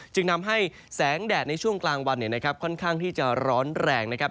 จึงทำให้แสงแดดในช่วงกลางวันค่อนข้างที่จะร้อนแรงนะครับ